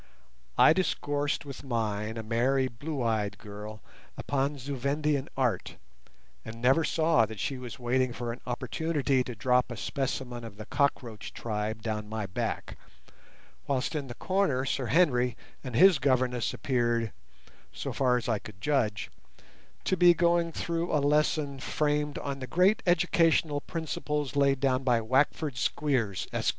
I discoursed with mine, a merry blue eyed girl, upon Zu Vendian art, and never saw that she was waiting for an opportunity to drop a specimen of the cockroach tribe down my back, whilst in the corner Sir Henry and his governess appeared, so far as I could judge, to be going through a lesson framed on the great educational principles laid down by Wackford Squeers Esq.